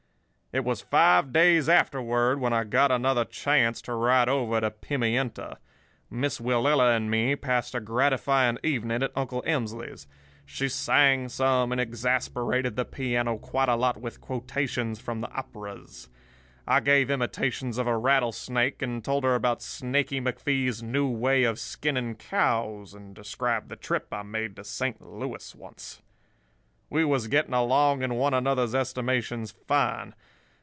"It was five days afterward when I got another chance to ride over to Pimienta. Miss Willella and me passed a gratifying evening at Uncle Emsley's. She sang some, and exasperated the piano quite a lot with quotations from the operas. I gave imitations of a rattlesnake, and told her about Snaky McFee's new way of skinning cows, and described the trip I made to Saint Louis once. We was getting along in one another's estimations fine.